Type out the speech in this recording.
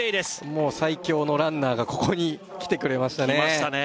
もう最強のランナーがここに来てくれましたね来ましたね